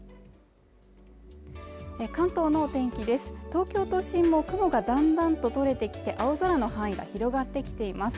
東京都心も雲がだんだんと取れてきて青空の範囲が広がってきています